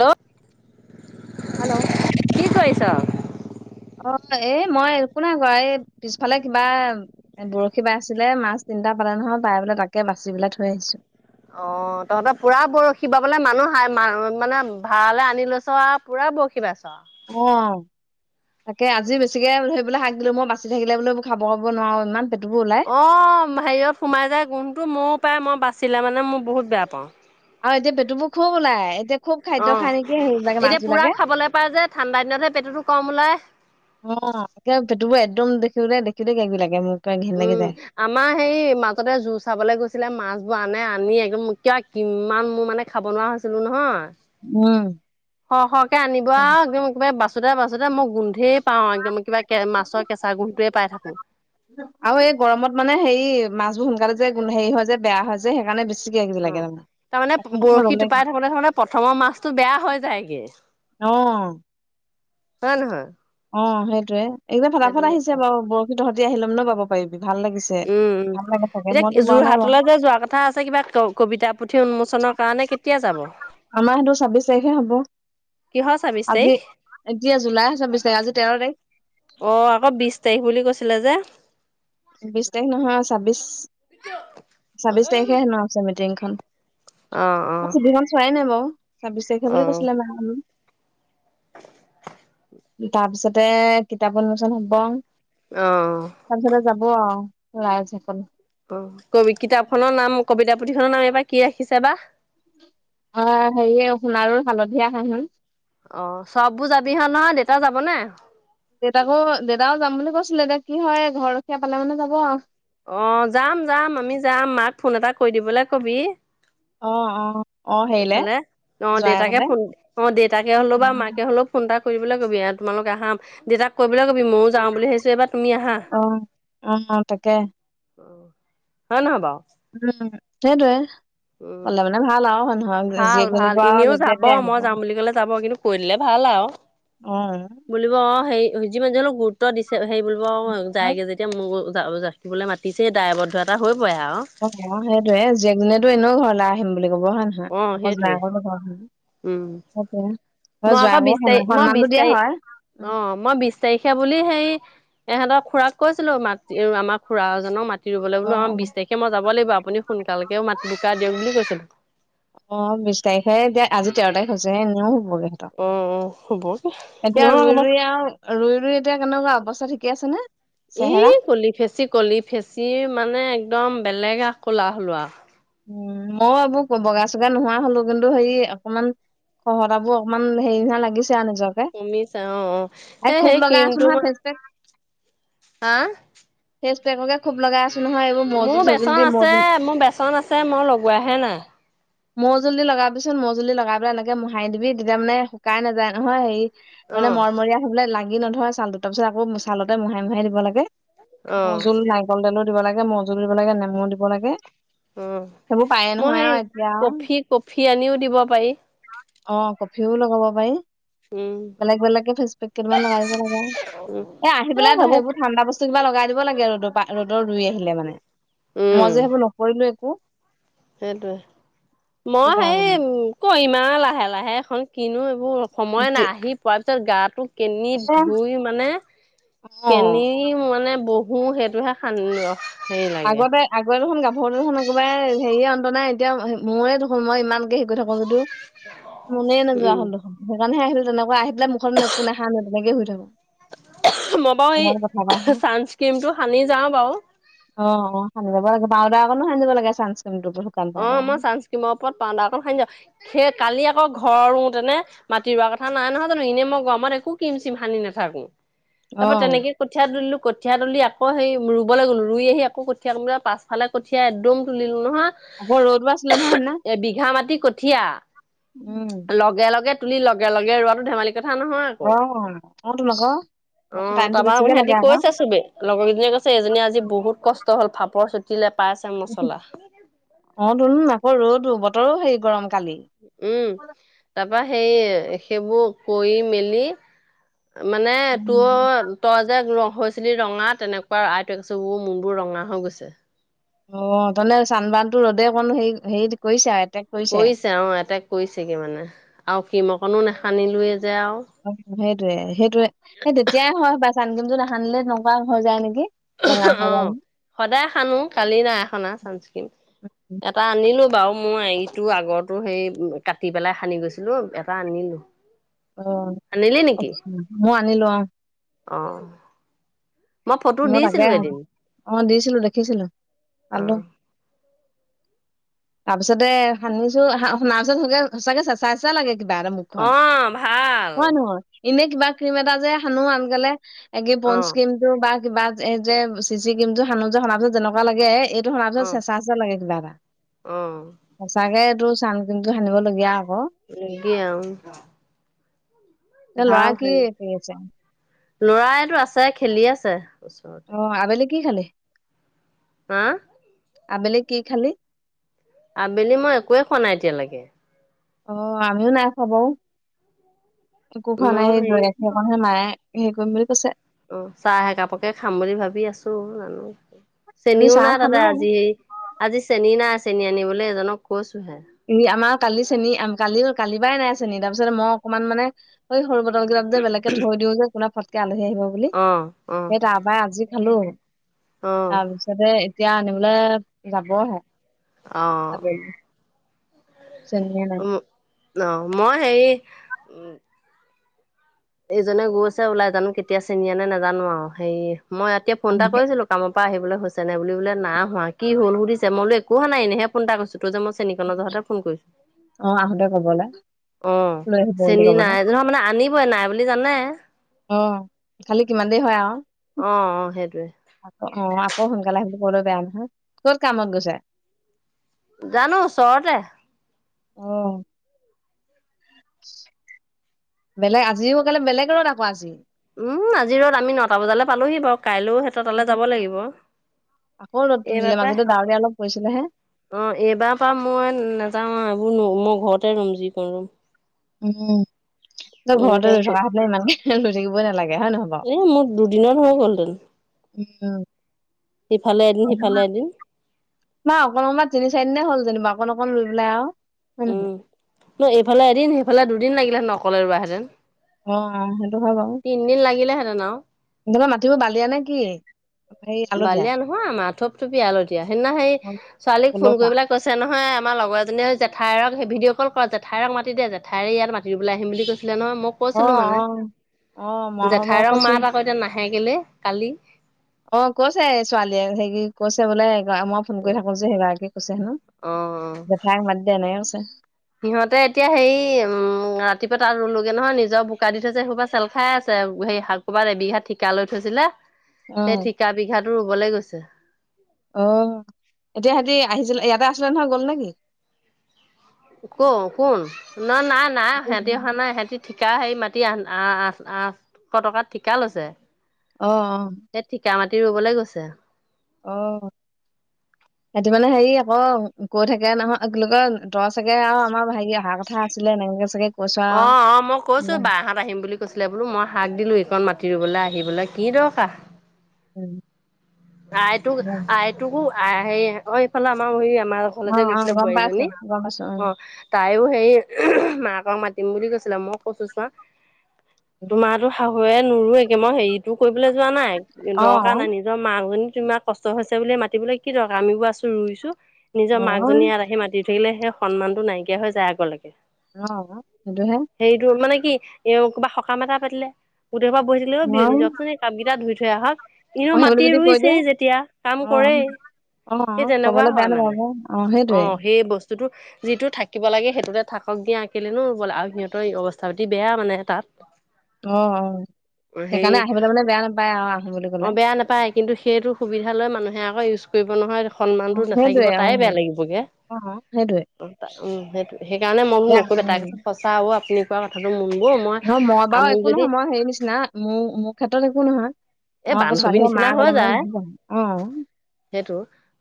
Hello hello কি কৰিছ? অ এ মই একো নাই কোৱা এই পিছফালে কিবা বৰশী বাই আছিলে মাছ তিনিটা পালে নহয় পাই বোলে তাকে বাচি পেলাই থৈ আহিছোঁ। অ তহঁতে পুৰা বৰশী বাবলে মানুহ হাই ম মানে ভাড়ালৈ আনি লৈছ আও। পূৰা বৰশী বাইছ। অ তাকে আজি বেছিকে ধৰিবলে শাক দিলো মই বাচি থাকিলে বোলে খাব খাব নোৱাৰো ইমান পেটুবোৰ ওলাই অ হেৰিয়ত সোমাই যায় গোন্ধটো ময়ো পায় মই বাচিলে মানে মোৰ বহুত বেয়া পাওঁ। আৰু এতিয়া বেটুবোৰ খুৱ ওলাই এতিয়া। খুব অ খাদ্য খাই নেকি সেইবিলাকে মাছ এতিয়া পূৰা বিলাকে খাবলৈ পায় যে ঠাণ্ডা দিনতহে পেটুটো কম ওলায়। অ কিবা পেটুবোৰ একদম দেখিবলে দেখোতে কিবা কিবি লাগে মোৰ পোৰা ঘিন উম লাগি যায় আমাৰ সেই মাজতে জোৰ চাবলৈ গৈছিলে মাছবোৰ আনে আনি একদম কিয় কিমান মোৰ মানে খাব নোৱাৰা হৈছিলো নহয় উম স সকে আনিব আও একদম একবাৰে বাচোতে বাচোতে মোক গোন্ধেই পাওঁ একদম কিবা কে মাৰ কেঁচা গুন্ধটোৱে পাই থাকো। আৰু এই গৰমত মানে হেৰি মাছবোৰ সোনকালে যে হেৰি হয় যে বেয়া হয় যে সেইকাৰণে বেছ- অ তাৰমানে বৰশী টোপাই থাকোতে থাকোতে প্ৰথমৰ মাছতটো বেয়া হৈ যায় গে। অ। হয় নহয়। অ সেইটোয়ে একদম সেইটো ফটাফট কথা আহিছে বাও বৰশী তহতি আহিলে মানে বাব পাৰিবি ভাল লাগিছে উম উম ভাল লাগে থাকে মইতো এতিয়া যোৱা নাই বাৰু যোৰহাটলৈ যে যোৱা কথা আছে কিবা ক কবিতা পুথি উন্মোচনৰ কাৰণে কেতিয়া যাব আমাৰ সেইটো ছাব্বিশ তাৰিখে হ'ব কিহৰ ছাব্বিশ তাৰিখ আজি এতিয়া জুলাই ছাব্বিছ তাৰিখ আজি তেৰ তাৰিখ অ আকৌ বিশ তাৰিখ বুলি কৈছিলে যে বিশ তাৰিখ নহয় ছাব্বিশ কিটো ছাব্বিশ তাৰিখে হেনো আছে মিটিংখন অ অ চিঠিখন চোৱাই নাই বাৰু ছাবিছ তাৰিখে অ বুলি কৈছিলে মাহেতি তাৰ পিছতে কিতাপ উন্মোচন হব অ চানচতে যাব আও ৰাইজসকল অ কবি কিতাপ খনৰ নাম কবিতা পুথিখনৰ নাম এবা কি ৰাখিছে বা অ হেৰিয়ে সোণাৰুৰ হালধীয়া হাঁহি অ চব বোৰ যাবি হ নহয় দেউতাও যাব নে দেউতাকো দেউতাও যাম বুলি কৈছিলে এতিয়া কি হয় ঘৰ ৰখীয়া পালে মানে যাব আও অ যাম যাম আমি যাম মাক ফোন এটা কৰি দিবলৈ কবি। অ অ অ হেৰিলে এইফালে অ যোৱাই দেউতাকে কলে ফোন অ দেউতাকে হলেও বা মাকে হলেও- ফোন এটা কৰিবলৈ কবি আৰু তোমালোক আহা দেউতাক কৰিবলৈ কবি ময়ো যাওঁ বুলি ভাবিছো এবাৰ তুমি আহা। অ অ তাকে অ হয় নহয় বাও উম সেইটোৱে উম কলে মানে ভাল আৰু মানুহক ভাল জীয়েকজনী ভাল পৰা আৰু এনেও যেতিয়া যাব তেতিয়া মই আহিব যাম বুলি কলে যাব কিন্তু কৰিলে ভাল আও অ বুলিব আও সেই যিমান যি হলো গুৰুত্ব দিছে হেৰি বুলিব অ যায়গে যেতিয়া মোৰ থাকিবলে মাতিছে দায়বদ্ধ এটা হৈ পৰে আৰু অ অ সেইটোয়ে জীয়েকজনীয়েতো এনেও ঘৰলৈ আহিম বুলি কব হয় নহয় অ অকল সেইটোৱে জাকৰ লগত আহিব উম অকে হয় মই যোৱা আকৌ আ বিশ তাৰিখ স মই সন্মানতো বিশ দিয়া তাৰিখ হয়। উম অ মই বিশ তাৰিখে বুলি সেই। এহঁতৰ খুৰাক কৈছিলো মাতি আমাৰ খুৰা এজনক মা টি ৰুবলৈ অ বোলো অ আম বিশ তাৰিখে মই যাব লাগিব আপুনি সোনকালকে মাত বুকা দিয়ক বুলি কৈছিলো। অ বিশ তাৰিখে এতিয়া আজি তেৰ তাৰিখ হৈছেহে এনেও হ'বগৈ। অ', অ', হ'ব এতিয়া নহয় ৰুই অকমান ৰুই আও ৰুই ৰুই এতিয়া কেনেকোৱা অৱস্থা ঠিকে আছে নে? এ চেহেৰা কলি ফেচি কলি ফেচি মানে একদম বেলেগ এ ক'লা হ'লো আও। উ মইয়ো এইবোৰ বগা চগা নোহোৱা হলো কিন্তু হেৰি অকমান। শহতাবোৰ অকণমান হেৰি নিচিনা লাগিছে আও নিজক। কমিছা অ অ সেই সেই ক্ৰীমটো তাত আ ফেচেকে খুব লগাই আছোঁ। মোৰ বেচন আছে, মোৰ বেচন আছে মই লগোৱাহে নাই। মৌজুল লগাবিচোন মৌজুল লগাই পেলাই এনেকে মোহাই দিবি তেতিয়া মানে শুকাই নাযায় নহয় হেৰি। মানে অ', মৰমৰীয়া হবলে লাগি নধৰা ছালটো তাৰপিছত আকৌ ছালতে মহাই মহাই দিব লাগে। অ', মৌজুল নাৰিকল তেলো দিব লাগে মৌজোল দিব লাগে নেমু দিব লাগে অ সেইবোৰ পায়ে মই নহয় সেই আৰু এতিয়া কফি কফি আনিও দিব পাৰি। অঁ কফিও লগাব পাৰি। উম, বেলেগ বেলেগকে ফেচ পেক কেইদমান লগাই দিব লগা উম, এ আহি পেলাই সেইবোৰ ঠাণ্ডা বস্তু। বস্তু কিবা লগাই দিব লাগে, ৰ'দৰ পৰা ৰ'দৰ ৰুই আহিলে মানে মই উম যে সেইবোৰ নকৰিলো একো। সেইটোৱে সেইটো মই কাৰণে সেই কৰিমা আ লাহে লাহে এখন। কিনো এইবোৰ সময় নাই আহি পোৱাৰ পিছত গাটো কিনি ধুই মানে। অ কেনি মানে বহো সেইটোহে খান। আগতে- আগতে দেখোন গাভৰু দেখোন একোবাৰ হেৰিয়ে অন্ত নাই এতিয়া মোৰে দেখোন মই ইমানকে হেৰি কৰি থাকো যদিটো। মনেই নোযোৱা উম হ'ল দেখোন সেইকাৰণেহে আহিলো তেনেকুৱা আহি পেলাই মুখত একো নাখা নাই তেনেকে শুই থাকো। মই বাৰু এই তেনেকে কথা এটা হয় চানস্ক্ৰীমতটো সানি যাওঁ বাৰু। অঁ অঁ নিব লাগে, পাওদা অকনো সানি যাব লাগে চানস্ক্ৰীমটোত। অ মই ছানস্ক্ৰীম ওপৰত পাওঁদাৰ‌ অকন খানি যাওঁ, সেই কালি আকৌ ঘৰো তেনে। মাটি ৰোৱা কথা নাই নহয় জানো এনেই মই গমত একো ক্ৰীম চিম সানি নাথাকো, তাৰ অ পৰা তেনেকে- কঠীয়া তুলিলো কঠীয়া তুলি আকৌ সেই ৰুবলৈ গ'লো ৰুই আহি আক কঠীয়া পাছফালে। কঠীয়া একদম তুলিলোঁ নহয়। আকৌ ৰদও আছিলে নহয় সেইদিনা। এ বিঘা মাটি কঠীয়া। উম। লগে লগে তুলি লগে লগে ৰোৱাতটো ধেমালি কথা নহয়। আকৌ অঁ ক তোন অক। অ তাৰপা সিহঁতি কৈছে চবে লগৰ কেইজনীয়ে কৈছে এজনীয়ে আজি বহুত কষ্ট। ষ্ট হ'ল ফাপৰ চুটিলে পাইছে মছলা। অ তন আকৌ ৰতো বতৰো হেৰি গৰম কালি। উম, তাৰ পৰা সেই সেইবোৰ কৰি মেলি। মানে উম। তোৰ তই যে ৰ হৈছে। খিনি ৰঙা তেনেকুৱা আইট একছোৰ মনবোৰ ৰঙা হৈ গৈছে। অ তনে চান্বানতো ৰ'দে আকৌ হে হেৰি কৰিছে আৰু এতেক। কৰিছে অঁ এটেক কৰিছেগে মানে আৰু কিৰিম অকনো নেহানিলোৱে যে আৰু। অঁ সেইটোয়ে সেইটোয়ে সেই তেতিয়াই হয় হপাই চানকিৰিম তো নাহানিলে তেনেকুৱা হৈ যায় নেকি? ৰঙা অ হৈ যায় ন। সদায় সানো কালি নাই হানা চানচকিৰিম। এটা আনিলোঁ বাৰু মই এইটো আগৰটো সেই কাটি পেলাই সানি গৈছিলোঁ এটা আনিলোঁ। [inaudible] অ অ মই আনিলোঁ অঁ। অঁ। ময়ো তাকে আহ অ দিছিলোঁ দেখিছিলোঁ অ পালোঁ। [inaudible] তাৰ পিছতে সানিছো সনাৰ পিছত সে সঁচাকে চেঁচা চেঁচা লাগে কিবা এটা। অ খন‌ ভাল হয় নহয় এনে কিবা ক্ৰীম এটা যে সানো আনকালে একে অ পঞ্চক্ৰীম টো বা কিবা এই যে চি চি কিৰিম টো সানো যে শনা পিছত যেনেুৱা লাগে এই টো সনা পিছত অ চেঁচা চেঁচা লাগে কিবা এটা- অ সঁচাকে এইটো চান কিৰিমটো সানিবলগীয়া আকৌ। লাগে, অ'! এ [unintelligible] ল'ৰা কি কৰি আছে ল'ৰাইটো আছে, খেলি আছে, ওচৰতে। অ'! আবেলি কি খালি? অ'! আবেলি কি খালি? আবেলি মই একোৱে খোৱা নাই এতিয়ালৈকে। অ আমিও নাই খোৱা বাৰু একো খোৱা মই নাই এ হেৰি সেইকাৰণে মায়ে হেৰি কৰিম বুলি কৈছে? অ'! চাহ একাপকে খাম বুলি ভাবি আছোঁ! জানোঁ। আমি চেনীও চাহ নাই, তাতে খালো আৰু আজি। সেই, আজি চেনী নাই, চেনী আনিবলৈ এজনক কৈছোঁ। এ, আমাৰ কালি চেনী, কালি -কালি পাই নাই চেনী। তাৰপিছত, মই অকমান মানে সেই সৰু বটল কেইটাত যে, বেলেগকে থৈ দিওঁ যে, কোনাবা ফটকে আলহী আহিব বুলি। অ অ সেই, তাত [unintelligible] আজি খালোঁ। অ তাৰপিছতে, এতিয়া আনিবলৈ যাবহে। অ'! আবেলি চেনিয়ে নাই উম, অ'! মই হেৰি এইজনে গৈছে ওলাই, জানোঁ! কেতিয়া চেনি আনে, নাজানোঁ আৰু। হেৰি, মই এতিয়া ফোন এটা আহোতে কৰিছিলোঁ। কামৰ পৰা আহিবলৈ হৈছে নাই বুলি, বোলে নাই হোৱা। কি হ'ল সুধিছে, মই বোলো, একো হোৱা নাই, এনেহে ফোন এটা কৰিছোঁ। তই যে, মই চেনীকন জহতে ফোন কৰিছোঁ। অ আহোতে কবলে অ'! লৈ আহিব বুলি চেনী কবলে নাই যে। মানে, আনিবই। নাই বুলি জানে। অ'! খালি কিমান দেৰি হয় আৰু? অ' অ'! সেইটোৱে। অ'! আকৌ সোনকালে আহিবলে, ক'বলে বেয়া নহয়। ক'ত কামত গৈছে? জানোঁ, ওচৰতে। অ'! বেলেগ, আজিও কেলেই বেলেগৰত আকৌ, আজি। উম, আজিৰো আমি, নটা বজালে পালোহি বাৰু। কাইলৈও হে তই তালৈ যাব লাগিব? আকৌ ৰ'দটো দিলে এইবাৰ পৰা মাজতে ডাৱৰীয়া অলপ পৰিছিলে হে অ'! এইবাৰ পা মই নাযাওঁ আৰু। এইবোৰ মই, ঘৰতে ৰোম, যিকন ৰোম। উম! [inaudible] তই ঘৰতে ৰোই এনেকুৱা থকা হেঁতেন, ইমানখিনি ৰৈ থাকিবই নালাগে, হয় নহয় বাৰু? এ মোৰ দুদিনত হৈ গ'লহেতেন উম! সিফালে এদিন, সিফালে এদিন। [unintelligible] অকণমান, তিনি চাৰিদিনে হ'ল যেনিবা। অকণ, অকণ লৈ পেলাই আৰু। উম! তোৰ এইফালে এদিন, সিফালে দুদিন লাগিলহেঁতেন, অকলে ৰোৱা হেঁতেন। অ' অ'! হয় বাৰু তিনদিন লাগিলেহেঁতেন আৰু। তহঁতৰ মাতিবোৰ বালিয়া নে নেকি? বালিয়া নহয় অমাৰ, থূপ-থূপীয়া আলতীয়া। সেইদিনা সেই, অ, ছোৱালীক ফোন কৰি পলসুৱা পিলে কৈছে নহয়, আমাৰ লগৰ এজনীয়ে, জেঠাইৰক ভিডিঅ' ক'ল কৰা, জেঠাইক মাতি দে। জেঠাইৰে ইয়াত মাত ফুৰিবলৈ আহিম বুলি কৈছিলে নহয় মোক। অ', কৈছিলোঁ মানে। অ'। অ', মই মই জেঠাইৰক কৈছো মাত আকৌ? এতিয়া নাহে কেলে কালি। অ'! কৈছে ছোৱালীয়ে। হেৰি কৈছে বোলে, মই ফোন কৰি থাকোঁ যে, সেইগৰাকীয়ে কৈছে হেনোঁ, অ জেঠাইক মাতি দে কৈছে। সিহঁতে, এতিয়া সেই, উম! ৰাতিপুৱা তাত ৰোলোগে নহয়, নিজৰ বোকা দি থৈছে। সেই, সোপা চেল খাই আছে। হেৰি শাক ক'ৰবাত এবিঘা ঠিকা লৈ থৈছিলে। অ', সেই ঠিকা বিঘাতো ৰুবলৈ গৈছে। অ'! এতিয়া, সিহঁতি আহিছিল। ইয়াতে, আছিলে নহয়, গ'ল নেকি? ক' কোন? ন' নাই, নাই। সিহঁতি অহা নাই, সিহঁতি ঠিকা হেৰি, মাটি আঠ, আঠশ টকাত ঠিকা লৈছে? অ' অ'! সেই, ঠিকা মাটি ৰোবলৈ গৈছে। অ'! [inaudible] সিহঁতি মানে হেৰি আকৌ কৈ থাকে নহয় কি বুলি কয় তই চাগে আৰু আমাৰ ভাইটি অহা কথা আছিলে এনেকে চাগে কৈছ আৰু অ' অ'! মই কৈছোঁ, উম, বাৰটাত আহিম বুলি। কৈছিলে বোলো, মই শাক দিলোঁ। এইকণ মাটি ৰোবলৈ, আহিবলৈ কি দৰকাৰ? [unintelligible] আইটোক উম। আইটোকো হে অ এইফালে আমাৰ হৰি আমাৰ লগ ঘলে যে অ', অ', গৈছিলে গম পাইছো বোৱাৰীজনী গম পাইছো অ তাইও সেই মাকক মাতিম বুলি কৈছিলে মই কৈছো চোৱা তোমাৰটো শাহুৱে নোৰোয়েগে মই হেৰিটো কৰিবলৈ যোৱা নাই অ', দৰকাৰ অ'। নাই নিজৰ মাকজনী তোমাৰ কষ্ট হৈছে বুলি মাতিবলে কি দৰকাৰ আমিবোৰ আছো ৰুইছো অ', নিজৰ মাকজনী ইয়াত আহি মাটি ৰুই থাকিলে সেই সন্মানটো নাইকিয়া হৈ যায় আগলৈকে অ সেইটোহে হেৰিটো মানে কি এ কবা সকাম এটা পাতিলে গোটেই হোপা বহি থাকিলে অই অ', বিয়নী যাওকচোন এই কাপ কেইটা ধুই থৈ আহক এনেও অ', সেই বুলি মাটি যদি কৈ দিয়ে ৰুইছেই যেতিয়া কাম অ', কৰেই সেই অ', তেনেকুৱা কবলৈ বেয়া হয় মানে নাপাব অ সেইটোৱে সেই বস্তুটো যিটো থাকিব লাগে সেইটোতে থাকক দিয়া কেলেনো নো ৰুব লাগে আৰু সিহঁতৰ অৱস্থা পাত বেয়া মানে তাত অ অ হেৰি সেইকাৰণে আহিবলৈ মানে বেয়া নাপায় আৰু আহিম বুলি অ কলে বেয়া নাপায় কিন্তু সেইটো সুবিধা লৈ মানুহে আকৌ ইউজ কৰিব নহয় অ', সন্মানতো সেইটোৱে নাথাকিব তায়ে অ', বেয়া লাগিবগে অ', সেইটোৱে উম সেইটো সেইকাৰণে মই বোলো এতিয়া নকৰিবা তাই উম, কৈছে সঁচা অ আপুনি কোৱা কথাটো মনবোৰ মই আ মোক যদি অ সেইৰ নিচিনা মোৰ মোৰ ক্ষেত্ৰত একো নহয় এ আমাৰ আকৌ বান্ধৱী ছোৱালীয়ে মা নিচিনা হৈ গলে মানে যায় নিদিবই অ সেইটো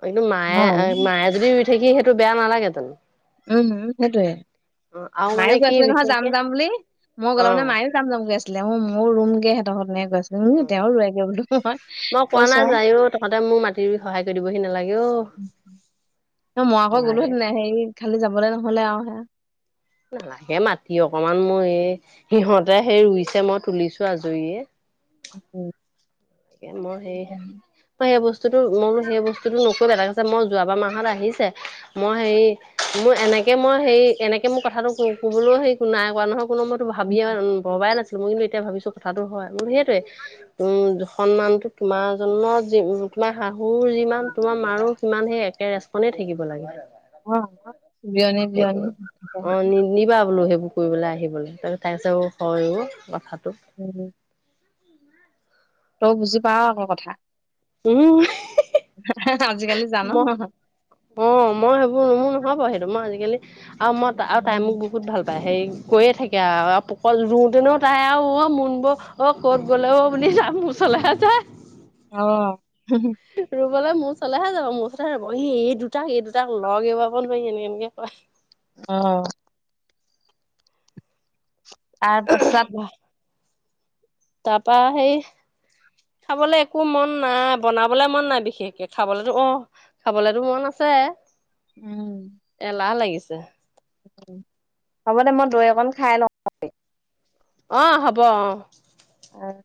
কিন্তু মায়ে অ', মায়ে যদি ৰুই থাকি সেইটো বেয়া নালাগে জানো উম উম সেইটোয়ে অ আৰু মাইও মানে কৈ কি আছিলে নহয় যাম বিশেষকে যাম বুলি মই গ'লে অ মানে মাইও যাম যাম কৈ আছিলে মোৰ ৰুম গে সেঁতৰ ঘৰত হেনেকে কৈ ৰুলোঙে অ তেওঁ ৰুয়েগে বুলি মই কোৱা নাই কৈছা যায়ও তহঁতে মোক মাটি ৰুই সহায় কৰি দিবহি নালাগে অ মই আকৌ গ'লো নালাগে হেঁতেন হেৰি খালি যাবলে নহলে আও হেয়া নালাগে মাটি অকমান মই এই সিহঁতে সেই ৰুইছে মই তুলিছো আজৰিয়ে [unintelligible] তকে মই সেই তই এই বস্তুতো মই বোলো সেই বস্তুতো নকৈবা এটাই কৈছে মই যোৱাবাৰ মাহত আহিছে মই হেৰি মোৰ এনেকে মই হেৰি এনেকে মোৰ কথাটো কবলোও হেৰি নাই কৰা নহয় কোনো মত ভাবিয়েন ভবাই নাছিলো মই কিন্তু এতিয়া ভাবিছো কথাটো হয় মই বোলো সেইটোৱে উম সন্মানটো তোমাৰ জন্ম যিম তোমাৰ শাহুৰ যিমান তোমাৰ মাৰো সিমান সেই একে ৰেষ্ট কনে থাকিব লাগে অ', বিয়নী বিয়নী সেইটো থাকে অ সেইটো। নি নিবা বোলো সেইবোৰ ফুবলৈ আহিবল তাৰপাছত তাই কৈছে ও হয়ও কথাটো উম তৌ বুজি পাওঁ আকৌ কথা উম উম আজিকালি জানোহ মই অ মই সেইবোৰ মোৰ নহব সেইটো মই আজিকালি আৰু মই ত তাই মোক বহুত ভাল পায়। হেৰি কৈয়ে থাকে আৰু পকল ৰুওতেনও তাই অও মন বৌ‌ অ ক'ত গ'লেও বুলি যাম মো ওচলেহে যে অ হো হো ৰুবলে মোৰ চলেহে যাব মোৰ ওলহে ৰুব সি এই দুটাক এই দুটাক লৱাগিয়াব নোৱাৰি এনেকে এনেকে অ তাৰ পাছত- তাৰপা সেই- খাবলৈ একো মন নাই বনাবলে মন নাই বিশেষকে খাবলৈতো অঁ খাবলেতো মন আছে। উম এলাহ লাগিছে হ'ব দে মই দৈ অকন খাই লওঁ অ হব অ অঁ